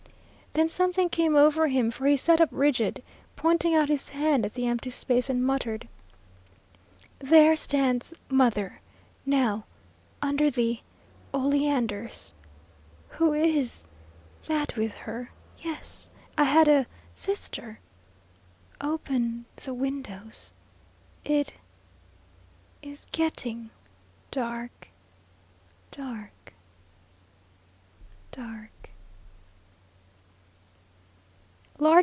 Then something came over him, for he sat up rigid, pointing out his hand at the empty space, and muttered, 'There stands mother now under the oleanders. Who is that with her? Yes, I had a sister. Open the windows. It is getting dark dark dark.'